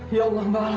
nyawa dan ada